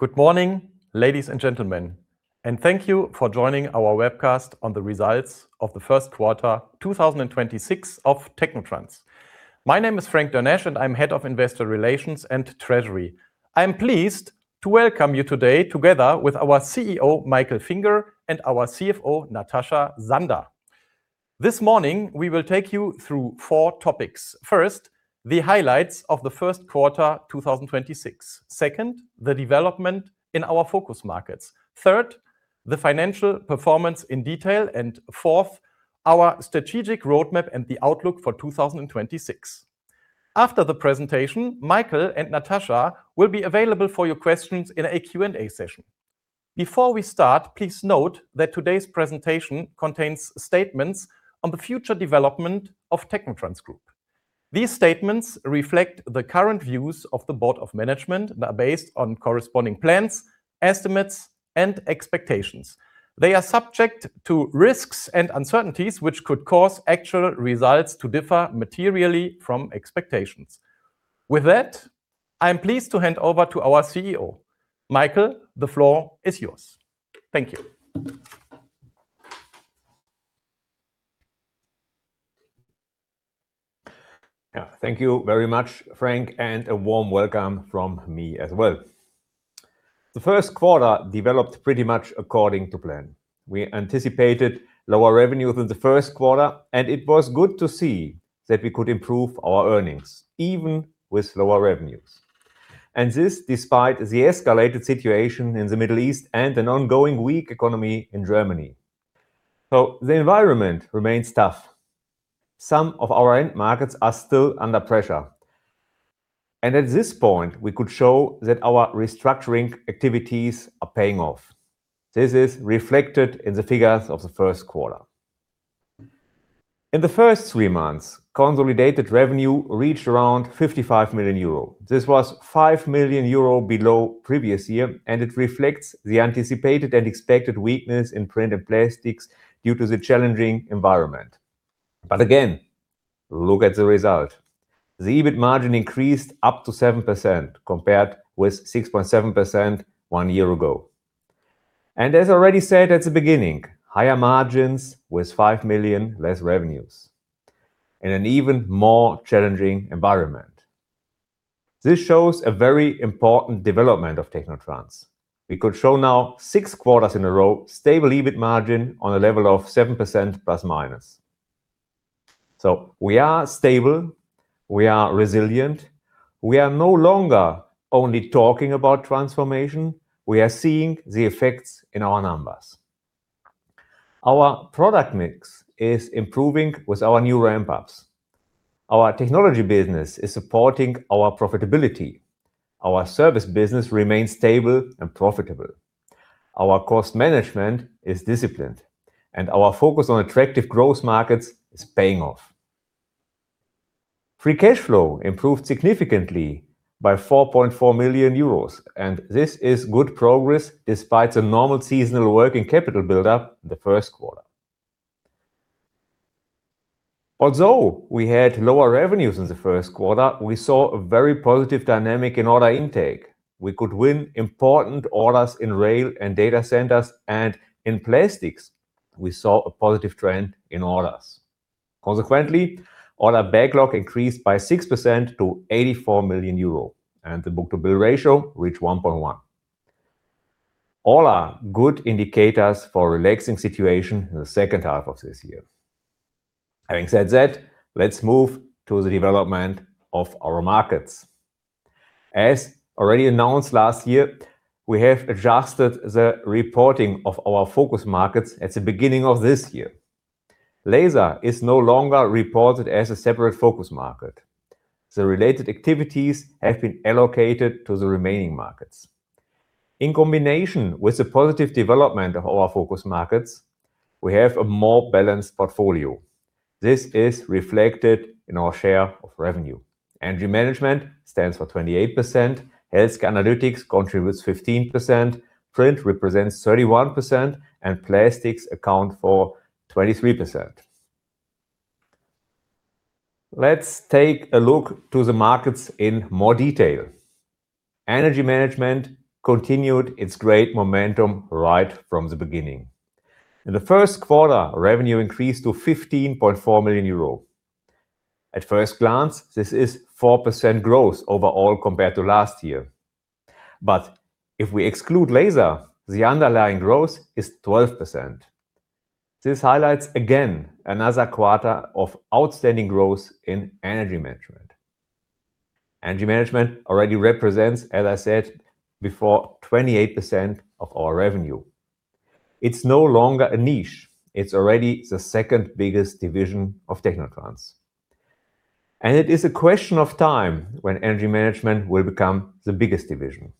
Good morning, ladies and gentlemen. Thank you for joining our webcast on the results of the first quarter, 2026 of technotrans. My name is Frank Dernesch, and I'm Head of Investor Relations and Treasury. I am pleased to welcome you today together with our CEO, Michael Finger, and our CFO, Natascha Sander. This morning, we will take you through four topics. First, the highlights of the first quarter, 2026. Second, the development in our focus markets. Third, the financial performance in detail. Fourth, our strategic roadmap and the outlook for 2026. After the presentation, Michael and Natascha will be available for your questions in a Q&A session. Before we start, please note that today's presentation contains statements on the future development of technotrans Group. These statements reflect the current views of the board of management that are based on corresponding plans, estimates, and expectations. They are subject to risks and uncertainties which could cause actual results to differ materially from expectations. With that, I am pleased to hand over to our CEO. Michael, the floor is yours. Thank you. Yeah. Thank you very much, Frank, a warm welcome from me as well. The first quarter developed pretty much according to plan. We anticipated lower revenue than the first quarter, and it was good to see that we could improve our earnings even with lower revenues. This, despite the escalated situation in the Middle East and an ongoing weak economy in Germany. The environment remains tough. Some of our end markets are still under pressure. At this point, we could show that our restructuring activities are paying off. This is reflected in the figures of the first quarter. In the first three months, consolidated revenue reached around 55 million euro. This was 5 million euro below previous year, and it reflects the anticipated and expected weakness in print and plastics due to the challenging environment. Again, look at the result. The EBIT margin increased up to 7% compared with 6.7% one year ago. As I already said at the beginning, higher margins with 5 million less revenues in an even more challenging environment. This shows a very important development of technotrans. We could show now six quarters in a row stable EBIT margin on a level of 7% ±. We are stable, we are resilient. We are no longer only talking about transformation. We are seeing the effects in our numbers. Our product mix is improving with our new ramp-ups. Our technology business is supporting our profitability. Our service business remains stable and profitable. Our cost management is disciplined, and our focus on attractive growth markets is paying off. Free cash flow improved significantly by 4.4 million euros. This is good progress despite the normal seasonal working capital build-up in the first quarter. Although we had lower revenues in the first quarter, we saw a very positive dynamic in order intake. We could win important orders in rail and data centers. In plastics, we saw a positive trend in orders. Consequently, order backlog increased by 6% to 84 million euro. The book-to-bill ratio reached 1.1. All are good indicators for relaxing situation in the second half of this year. Having said that, let's move to the development of our markets. As already announced last year, we have adjusted the reporting of our focus markets at the beginning of this year. Laser is no longer reported as a separate focus market. The related activities have been allocated to the remaining markets. In combination with the positive development of our focus markets, we have a more balanced portfolio. This is reflected in our share of revenue. Energy Management stands for 28%, Healthcare & Analytics contributes 15%, print represents 31%, and plastics account for 23%. Let's take a look to the markets in more detail. Energy Management continued its great momentum right from the beginning. In the first quarter, revenue increased to 15.4 million euro. At first glance, this is 4% growth overall compared to last year. If we exclude laser, the underlying growth is 12%. This highlights again another quarter of outstanding growth in EneMent. Energy Management already represents, as I said before, 28% of our revenue. It's no longer a niche. It's already the second biggest division of technotrans. It is a question of time when Energy Management will become the biggest division.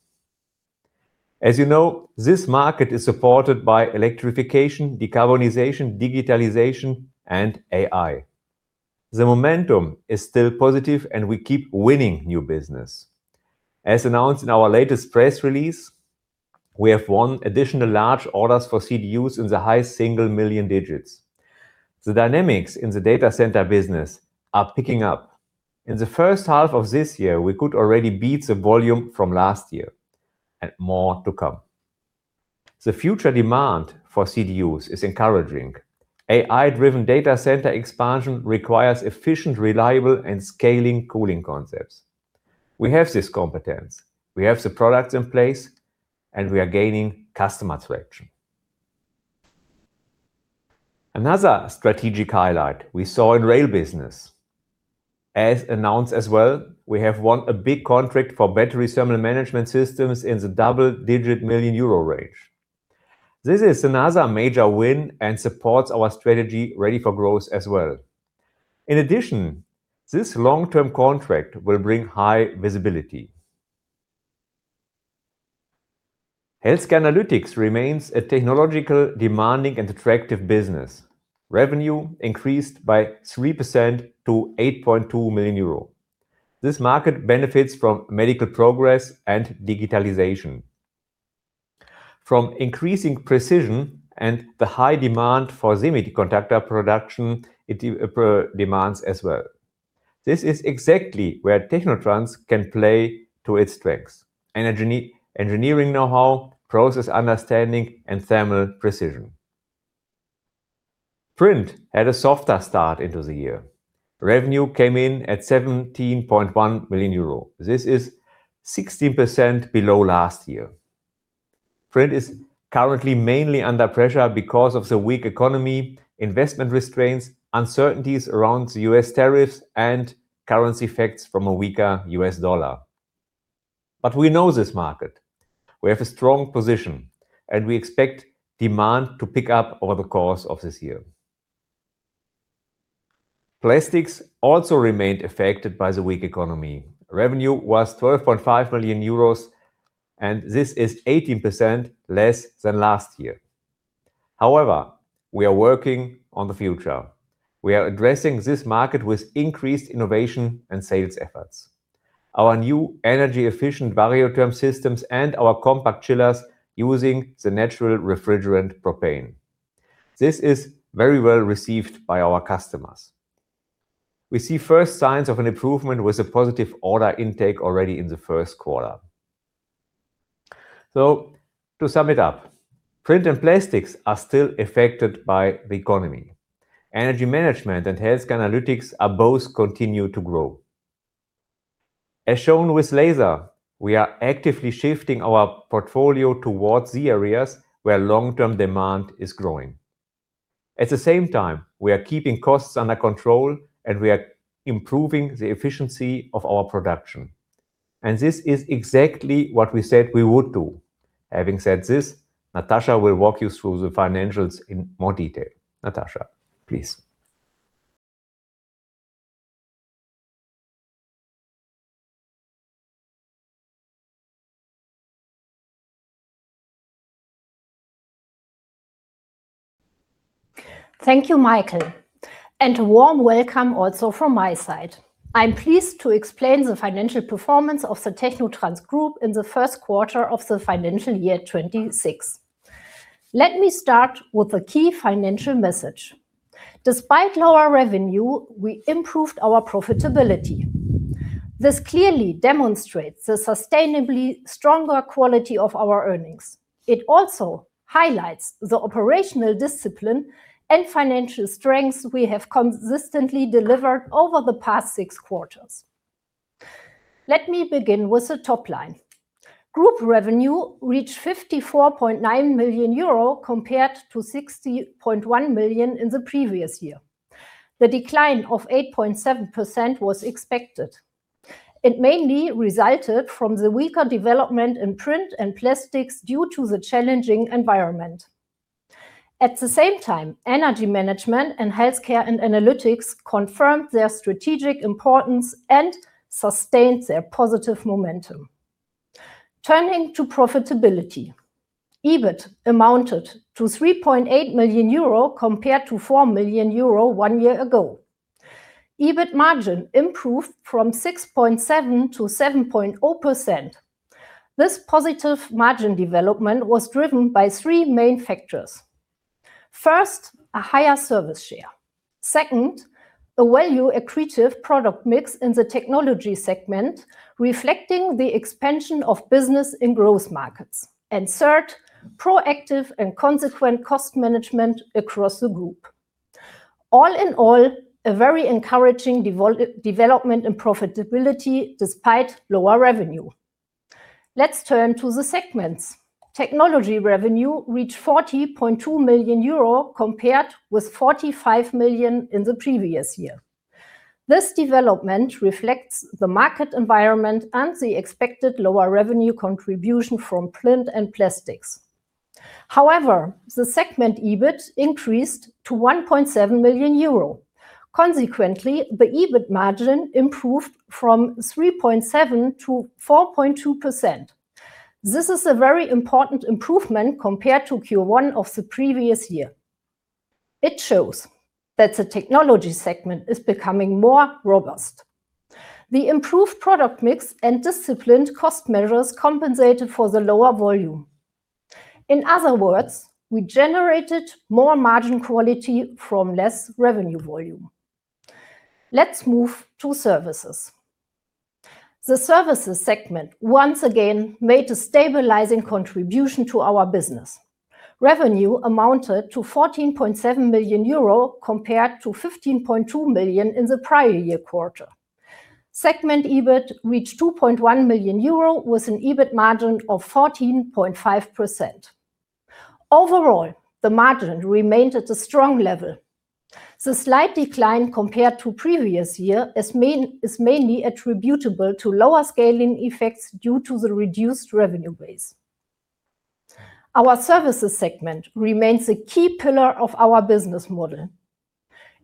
As you know, this market is supported by electrification, decarbonization, digitalization, and AI. The momentum is still positive, and we keep winning new business. As announced in our latest press release, we have won additional large orders for CDUs in the high single million digits. The dynamics in the data center business are picking up. In the first half of this year, we could already beat the volume from last year, and more to come. The future demand for CDUs is encouraging. AI-driven data center expansion requires efficient, reliable, and scaling cooling concepts. We have this competence. We have the products in place, and we are gaining customer traction. Another strategic highlight we saw in rail business. As announced as well, we have won a big contract for battery thermal management systems in the double-digit million EUR range. This is another major win and supports our strategy Ready for Growth as well. This long-term contract will bring high visibility. Healthcare & Analytics remains a technological demanding and attractive business. Revenue increased by 3% to 8.2 million euro. This market benefits from medical progress and digitalization. From increasing precision and the high demand for semiconductor production, it redemands as well. This is exactly where technotrans can play to its strengths, engineering know-how, process understanding, and thermal precision. Print had a softer start into the year. Revenue came in at 17.1 million euro. This is 16% below last year. Print is currently mainly under pressure because of the weak economy, investment restraints, uncertainties around the U.S. tariffs, and currency effects from a weaker U.S. dollar. We know this market. We have a strong position, and we expect demand to pick up over the course of this year. Plastics also remained affected by the weak economy. Revenue was 12.5 million euros, and this is 18% less than last year. However, we are working on the future. We are addressing this market with increased innovation and sales efforts. Our new energy-efficient variotherm systems and our compact chillers using the natural refrigerant propane. This is very well received by our customers. We see first signs of an improvement with a positive order intake already in the first quarter. To sum it up, print and plastics are still affected by the economy. Energy Management and Healthcare & Analytics are both continue to grow. As shown with later, we are actively shifting our portfolio towards the areas where long-term demand is growing. At the same time, we are keeping costs under control, we are improving the efficiency of our production. This is exactly what we said we would do. Having said this, Natascha will walk you through the financials in more detail. Natascha, please. Thank you, Michael. A warm welcome also from my side. I'm pleased to explain the financial performance of the technotrans Group in the first quarter of the financial year 2026. Let me start with the key financial message. Despite lower revenue, we improved our profitability. This clearly demonstrates the sustainably stronger quality of our earnings. It also highlights the operational discipline and financial strengths we have consistently delivered over the past six quarters. Let me begin with the top line. Group revenue reached 54.9 million euro compared to 60.1 million in the previous year. The decline of 8.7% was expected. It mainly resulted from the weaker development in print and plastics due to the challenging environment. At the same time, Energy Management and Healthcare & Analytics confirmed their strategic importance and sustained their positive momentum. Turning to profitability, EBIT amounted to 3.8 million euro compared to 4 million euro one year ago. EBIT margin improved from 6.7% to 7.0%. This positive margin development was driven by three main factors. First, a higher service share. Second, a value-accretive product mix in the Technology segment, reflecting the expansion of business in growth markets. Third, proactive and consequent cost management across the group. All in all, a very encouraging development and profitability despite lower revenue. Let's turn to the segments. Technology revenue reached 40.2 million euro, compared with 45 million in the previous year. This development reflects the market environment and the expected lower revenue contribution from print and plastics. The segment EBIT increased to 1.7 million euro. The EBIT margin improved from 3.7% to 4.2%. This is a very important improvement compared to Q1 of the previous year. It shows that the Technology segment is becoming more robust. The improved product mix and disciplined cost measures compensated for the lower volume. In other words, we generated more margin quality from less revenue volume. Let's move to services. The Services segment once again made a stabilizing contribution to our business. Revenue amounted to 14.7 million euro compared to 15.2 million in the prior year quarter. Segment EBIT reached 2.1 million euro with an EBIT margin of 14.5%. Overall, the margin remained at a strong level. The slight decline compared to previous year is mainly attributable to lower scaling effects due to the reduced revenue base. Our Services segment remains a key pillar of our business model.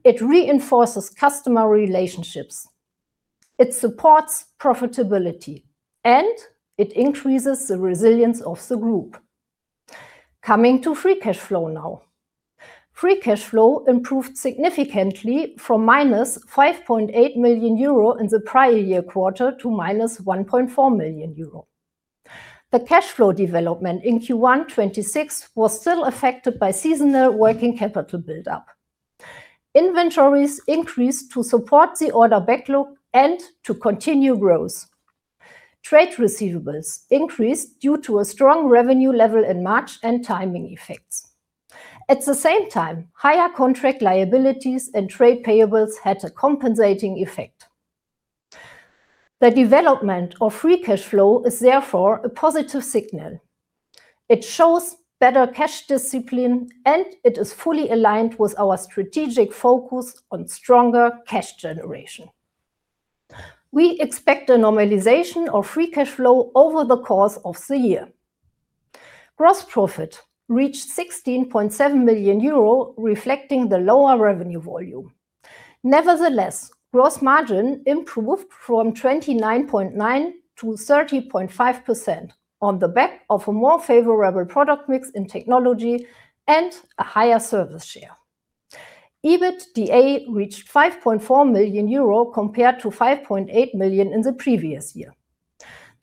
It reinforces customer relationships, it supports profitability, and it increases the resilience of the group. Coming to free cash flow now. Free cash flow improved significantly from -5.8 million euro in the prior year quarter to -1.4 million euro. The cash flow development in Q1 2026 was still affected by seasonal working capital buildup. Inventories increased to support the order backlog and to continue growth. Trade receivables increased due to a strong revenue level in March and timing effects. At the same time, higher contract liabilities and trade payables had a compensating effect. The development of free cash flow is therefore a positive signal. It shows better cash discipline, and it is fully aligned with our strategic focus on stronger cash generation. We expect a normalization of free cash flow over the course of the year. Gross profit reached 16.7 million euro, reflecting the lower revenue volume. Nevertheless, gross margin improved from 29.9% to 30.5% on the back of a more favorable product mix in technology and a higher service share. EBITDA reached 5.4 million euro compared to 5.8 million in the previous year.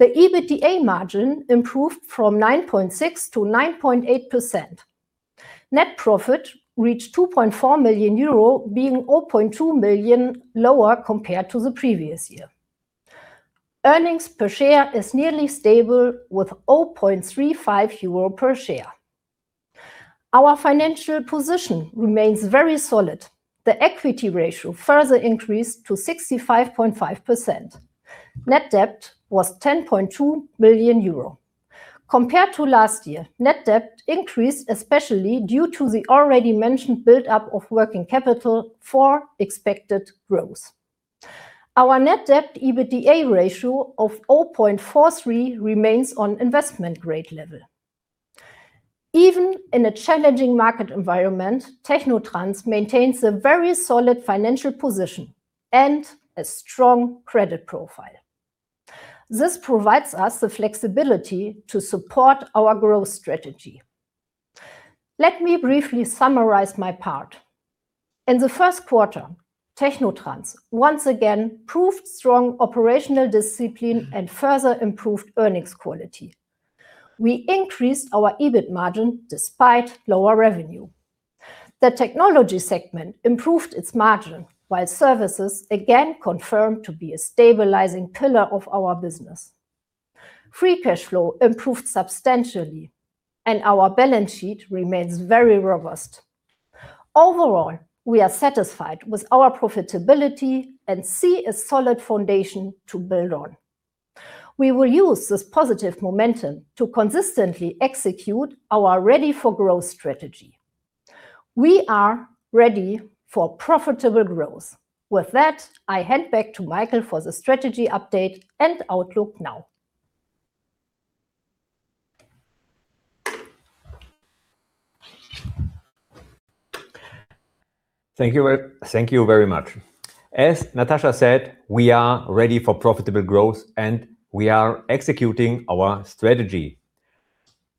The EBITDA margin improved from 9.6% to 9.8%. Net profit reached 2.4 million euro, being 0.2 million lower compared to the previous year. Earnings per share is nearly stable with 0.35 euro per share. Our financial position remains very solid. The Equity ratio further increased to 65.5%. Net debt was 10.2 million euro. Compared to last year, Net debt increased especially due to the already mentioned buildup of working capital for expected growth. Our Net debt EBITDA ratio of 0.43 remains on investment grade level. Even in a challenging market environment, technotrans maintains a very solid financial position and a strong credit profile. This provides us the flexibility to support our growth strategy. Let me briefly summarize my part. In the first quarter, technotrans once again proved strong operational discipline and further improved earnings quality. We increased our EBIT margin despite lower revenue. The Technology segment improved its margin while services again confirmed to be a stabilizing pillar of our business. Free cash flow improved substantially, and our balance sheet remains very robust. Overall, we are satisfied with our profitability and see a solid foundation to build on. We will use this positive momentum to consistently execute our Ready for Growth strategy. We are ready for profitable growth. With that, I hand back to Michael for the strategy update and outlook now. Thank you very much. As Natascha said, we are ready for profitable growth. We are executing our strategy.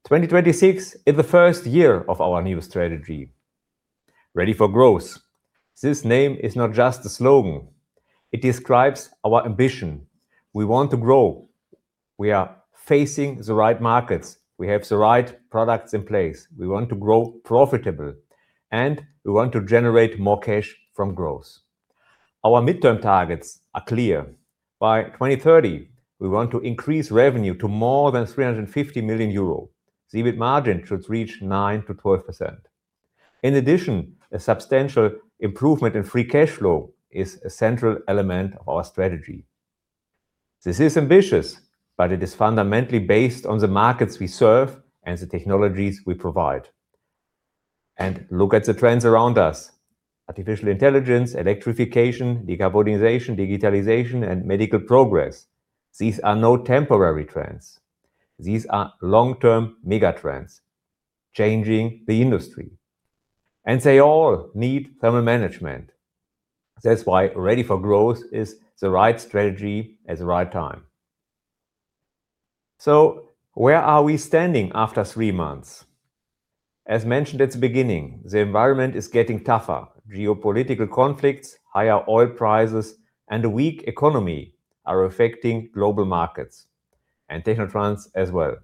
2026 is the first year of our new strategy, Ready for Growth. This name is not just a slogan. It describes our ambition. We want to grow. We are facing the right markets. We have the right products in place. We want to grow profitable. We want to generate more cash from growth. Our midterm targets are clear. By 2030, we want to increase revenue to more than 350 million euro. The EBIT margin should reach 9%-12%. In addition, a substantial improvement in free cash flow is a central element of our strategy. This is ambitious. It is fundamentally based on the markets we serve and the technologies we provide. Look at the trends around us. Artificial intelligence, electrification, decarbonization, digitalization, and medical progress. These are no temporary trends. These are long-term megatrends changing the industry. They all need thermal management. That's why Ready for Growth is the right strategy at the right time. Where are we standing after three months? As mentioned at the beginning, the environment is getting tougher. Geopolitical conflicts, higher oil prices, and a weak economy are affecting global markets and technotrans as well.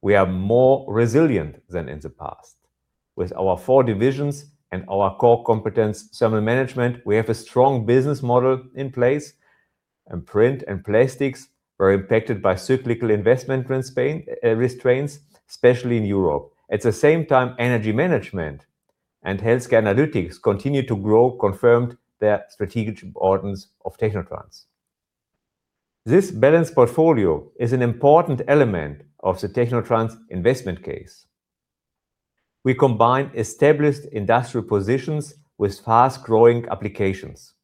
We are more resilient than in the past. With our four divisions and our core competence, thermal management, we have a strong business model in place. Print and Plastics are impacted by cyclical investment restraints, especially in Europe. At the same time, Energy Management and Healthcare & Analytics continue to grow, confirmed their strategic importance of technotrans. This balanced portfolio is an important element of the technotrans investment case. We combine established industrial positions with fast-growing applications.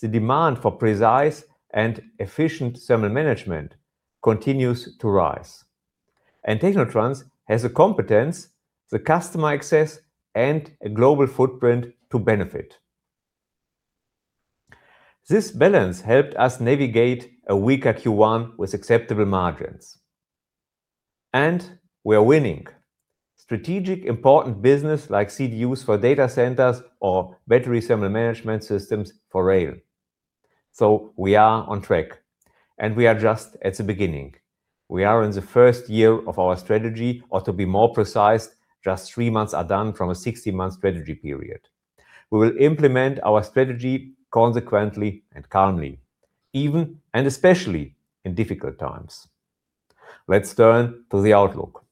The demand for precise and efficient thermal management continues to rise. technotrans has the competence, the customer access, and a global footprint to benefit. This balance helped us navigate a weaker Q1 with acceptable margins. We are winning. Strategic important business like CDUs for data centers or battery thermal management systems for rail. We are on track, and we are just at the beginning. We are in the first year of our strategy, or to be more precise, just three months are done from a 60-month strategy period. We will implement our strategy consequently and calmly, even and especially in difficult times. Let's turn to the outlook.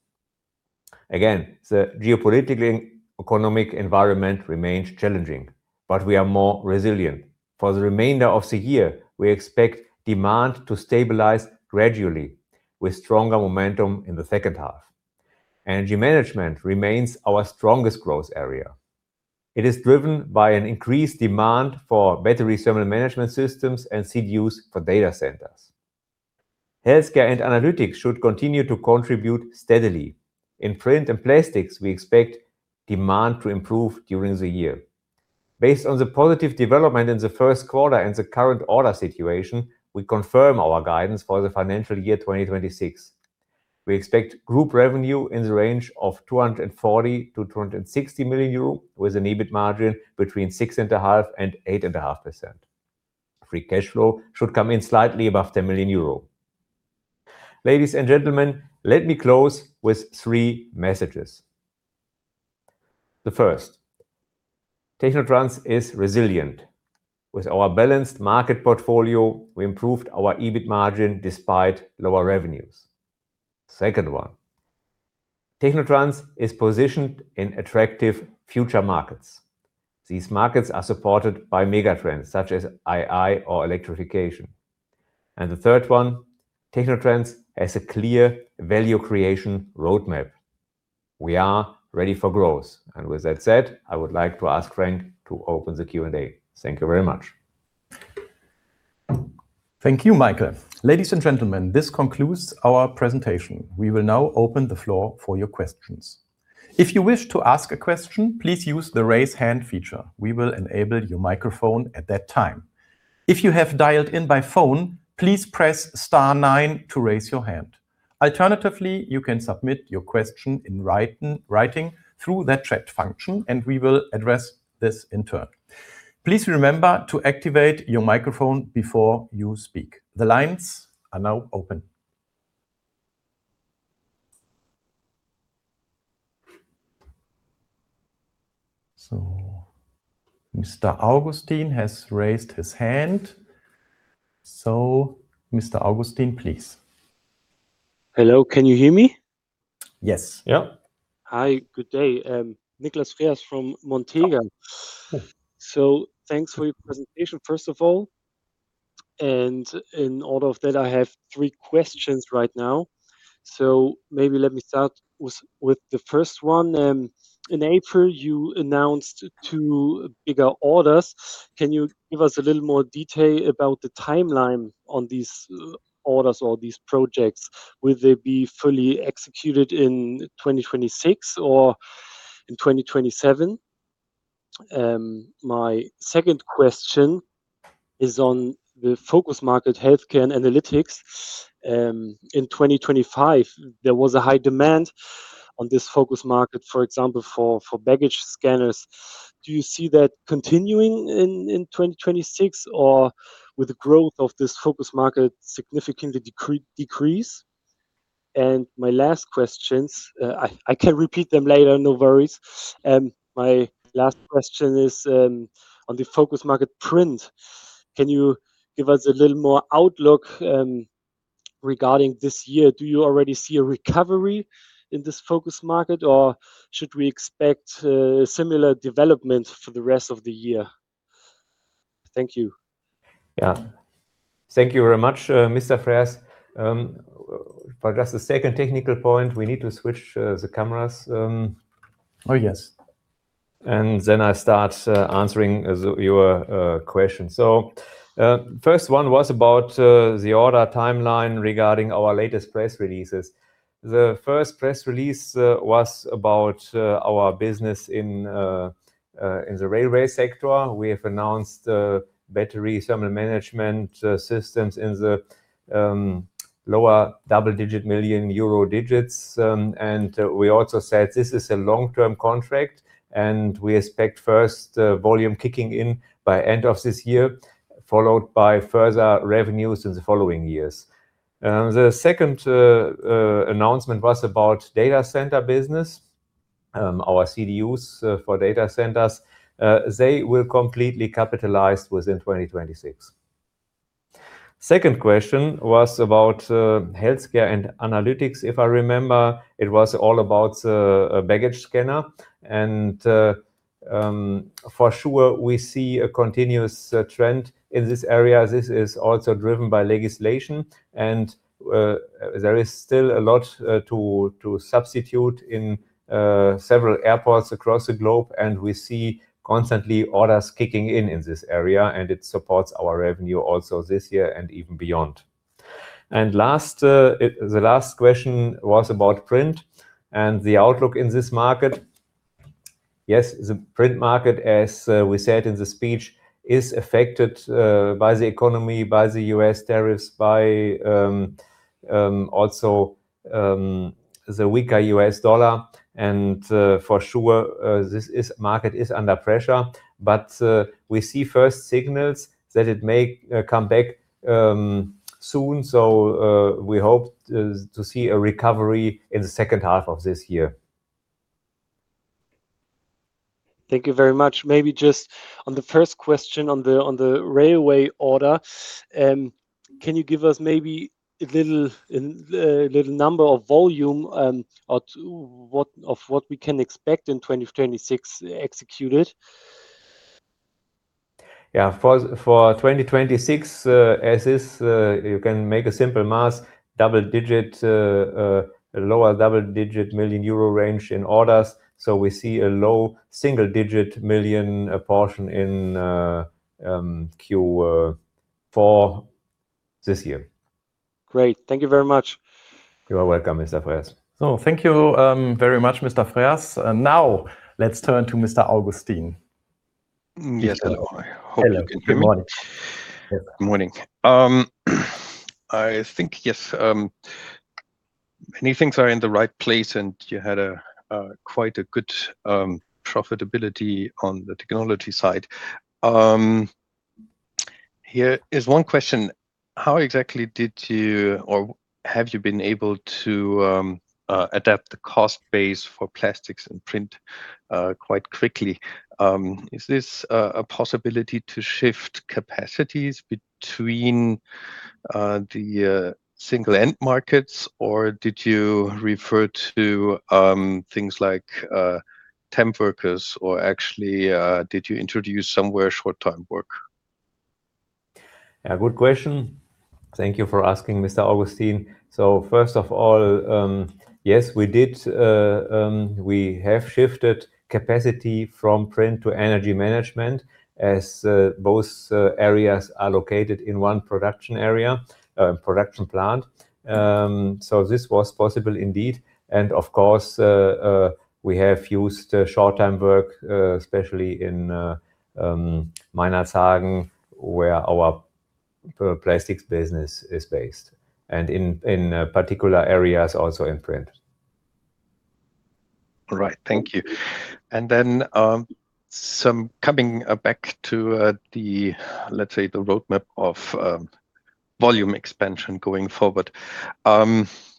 Again, the geopolitical economic environment remains challenging. We are more resilient. For the remainder of the year, we expect demand to stabilize gradually with stronger momentum in the second half. Energy Management remains our strongest growth area. It is driven by an increased demand for battery thermal management systems and CDUs for data centers. Healthcare & Analytics should continue to contribute steadily. In Print and Plastics, we expect demand to improve during the year. Based on the positive development in the first quarter and the current order situation, we confirm our guidance for the financial year 2026. We expect group revenue in the range of 240 million-260 million euro, with an EBIT margin between 6.5% and 8.5%. Free cash flow should come in slightly above 10 million euro. Ladies and gentlemen, let me close with three messages. The first, technotrans is resilient. With our balanced market portfolio, we improved our EBIT margin despite lower revenues. Second one, technotrans is positioned in attractive future markets. These markets are supported by mega trends such as AI or electrification. The third one, technotrans has a clear value creation roadmap. We are Ready for Growth. With that said, I would like to ask Frank to open the Q&A. Thank you very much. Thank you, Michael. Ladies and gentlemen, this concludes our presentation. We will now open the floor for your questions. If you wish to ask a question, please use the raise hand feature. We will enable your microphone at that time. If you have dialed in by phone, please press star nine to raise your hand. Alternatively, you can submit your question in writing through the chat function and we will address this in turn. Please remember to activate your microphone before you speak. The lines are now open. Mr. Augustine has raised his hand. Mr. Augustine, please. Hello, can you hear me? Yes. Yeah. Hi, good day. Nicholas Frias from Montega. Thanks for your presentation, first of all. In all of that, I have three questions right now. Maybe let me start with the first one. In April, you announced two bigger orders. Can you give us a little more detail about the timeline on these orders or these projects? Will they be fully executed in 2026 or in 2027? My second question is on the focus market, Healthcare & Analytics. In 2025, there was a high demand on this focus market, for example, for baggage scanners. Do you see that continuing in 2026, or will the growth of this focus market significantly decrease? My last questions, I can repeat them later, no worries. My last question is on the focus market print. Can you give us a little more outlook regarding this year? Do you already see a recovery in this focus market, or should we expect a similar development for the rest of the year? Thank you. Yeah. Thank you very much, Mr. Frias. For just a second technical point, we need to switch the cameras. Oh, yes. I start answering your question. First one was about the order timeline regarding our latest press releases. The first press release was about our business in the railway sector. We have announced battery thermal management systems in the lower double-digit million-euro digits. We also said this is a long-term contract, and we expect first volume kicking in by end of this year, followed by further revenues in the following years. The second announcement was about data center business. Our CDUs for data centers, they will completely capitalize within 2026. Second question was about Healthcare & Analytics. If I remember, it was all about a baggage scanner, and for sure, we see a continuous trend in this area. This is also driven by legislation and there is still a lot to substitute in several airports across the globe. We see constantly orders kicking in in this area, and it supports our revenue also this year and even beyond. Last, the last question was about print and the outlook in this market. Yes, the print market, as we said in the speech, is affected by the economy, by the U.S. tariffs, by also the weaker U.S. dollar, for sure, this market is under pressure. We see first signals that it may come back soon. We hope to see a recovery in the second half of this year. Thank you very much. Maybe just on the first question on the railway order, can you give us maybe a little number of volume, or of what we can expect in 2026 executed? Yeah. For 2026, as is, you can make a simple math, double-digit, lower double-digit million EUR range in orders. We see a low single-digit million EUR portion in Q4 this year. Great. Thank you very much. You are welcome, Mr. Frias. Thank you, very much, Mr. Frias. Now let's turn to Mr. Augustine. Yes. Hello. I hope you can hear me. Hello. Good morning. Morning. I think, yes, many things are in the right place, and you had quite a good profitability on the technology side. Here is one question. How exactly did you or have you been able to adapt the cost base for plastics and print quite quickly? Is this a possibility to shift capacities between the single end markets, or did you refer to things like temp workers? Actually, did you introduce somewhere Short-time work? Yeah, good question. Thank you for asking, Mr. Augustine. First of all, yes, we did. We have shifted capacity from print to Energy Management as both areas are located in one production area, production plant. This was possible indeed. Of course, we have used Short-time work especially in Meinerzhagen, where our plastics business is based, and in particular areas also in print. All right. Thank you. Coming back to the, let's say, the roadmap of volume expansion going forward.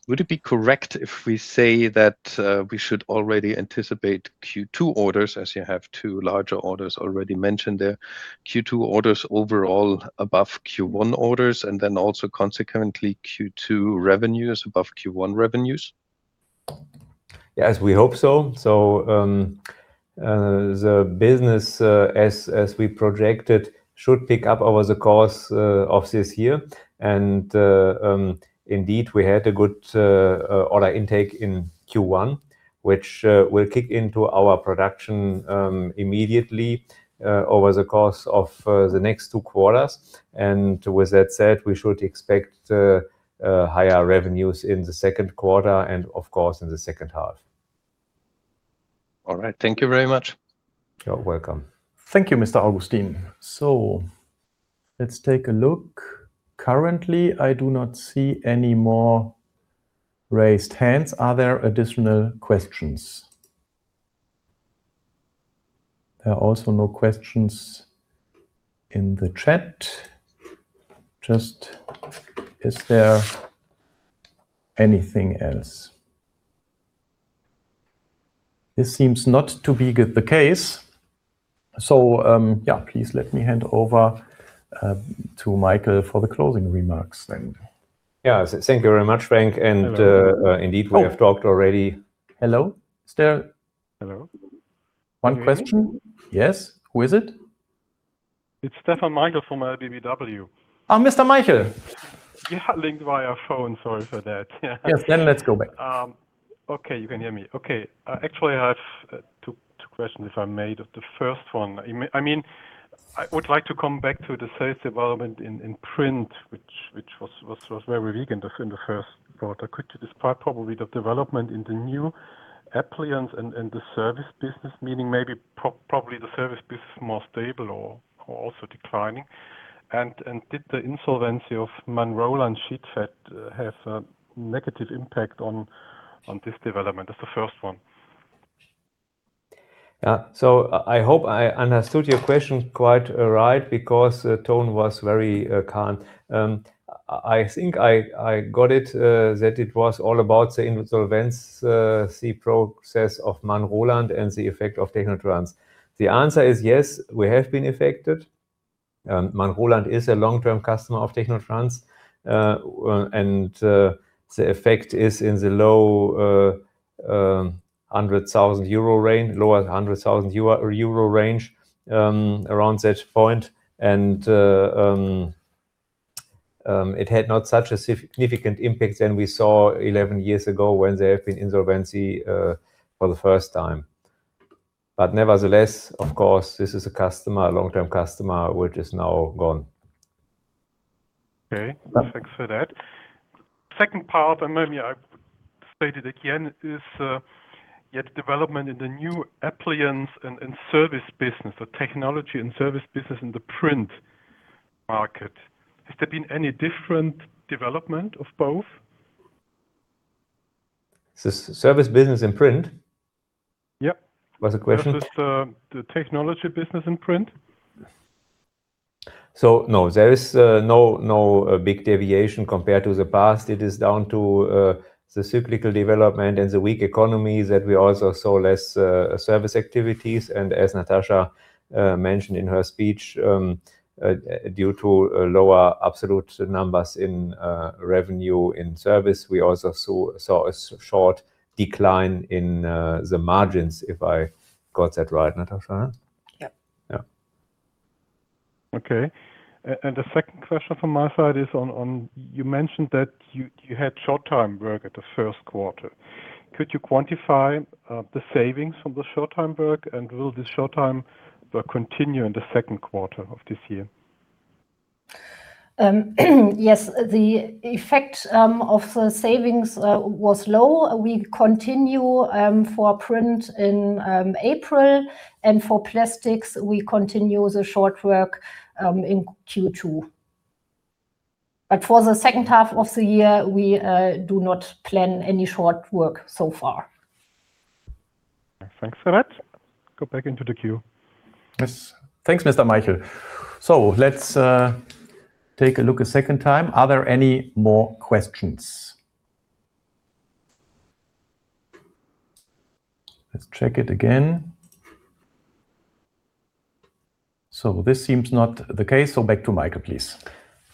Would it be correct if we say that we should already anticipate Q2 orders, as you have two larger orders already mentioned there, Q2 orders overall above Q1 orders, and then also consequently Q2 revenues above Q1 revenues? Yes, we hope so. The business, as we projected, should pick up over the course of this year. Indeed, we had a good order intake in Q1, which will kick into our production immediately over the course of the next two quarters. With that said, we should expect higher revenues in the second quarter and of course in the second half. All right. Thank you very much. You're welcome. Thank you, Mr. Augustine. Let's take a look. Currently, I do not see any more raised hands. Are there additional questions? There are also no questions in the chat. Just, is there anything else? This seems not to be the case. Yeah, please let me hand over to Michael for the closing remarks then. Yeah. Thank you very much, Frank. Indeed, we have talked already. Hello? Is there? Hello. Can you hear me? One question. Yes. Who is it? It's Stefan Maichl from LBBW. Oh, Mr. Maichl. Yeah. Linked via phone. Sorry for that. Yeah. Yes. Let's go back. Okay, you can hear me. Okay. Actually, I have two questions, if I may. The first one, I mean, I would like to come back to the sales development in print, which was very weak in the first quarter. Could you describe probably the development in the new appliance and the service business, meaning maybe probably the service business is more stable or also declining? Did the insolvency of Manroland Sheetfed have a negative impact on this development? That's the first one. I hope I understood your question quite right because the tone was very calm. I think I got it that it was all about the insolvency process of Manroland and the effect of technotrans. The answer is yes, we have been affected. Manroland is a long-term customer of technotrans, the effect is in the low 100,000 euro range, lower 100,000 euro range, around that point. It had not such a significant impact than we saw 11 years ago when they have been insolvency for the first time. Nevertheless, of course, this is a customer, a long-term customer, which is now gone. Okay. Yeah. Thanks for that. Second part, maybe I state it again, is yet development in the new appliance and service business, the technology and service business in the print market. Has there been any different development of both? The service business in print? Yeah. Was the question? The technology business in print. No, there is no big deviation compared to the past. It is down to the cyclical development and the weak economy that we also saw less service activities. As Natascha mentioned in her speech, due to lower absolute numbers in revenue in service, we also saw a short decline in the margins, if I got that right, Natascha? Yeah. Yeah. Okay. The second question from my side is on, you mentioned that you had short-time work at the first quarter. Could you quantify the savings from the short-time work? Will this short-time work continue in the second quarter of this year? Yes, the effect of the savings was low. We continue for print in April, and for plastics, we continue the short work in Q2. For the second half of the year, we do not plan any short work so far. Thanks for that. Go back into the queue. Thanks, Mr. Maichl. Let's take a look a second time. Are there any more questions? Let's check it again. This seems not the case, so back to Michael, please.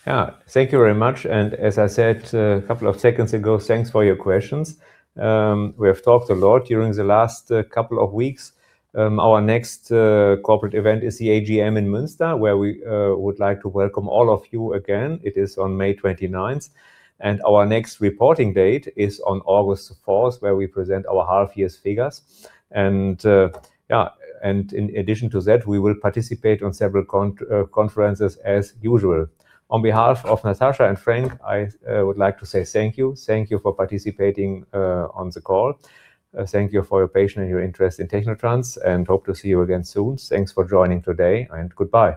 Thank you very much. As I said a couple of seconds ago, thanks for your questions. We have talked a lot during the last couple of weeks. Our next corporate event is the AGM in Münster, where we would like to welcome all of you again. It is on May 29th. Our next reporting date is on August 4th, where we present our half year's figures. In addition to that, we will participate on several conferences as usual. On behalf of Natascha and Frank, I would like to say thank you. Thank you for participating on the call. Thank you for your patience and your interest in technotrans, and hope to see you again soon. Thanks for joining today, and goodbye.